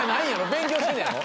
勉強してんのやろ？